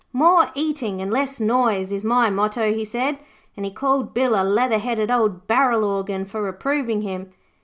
'"More eating and less noise" is my motto,' he said, and he called Bill a leather headed old barrel organ for reproving him.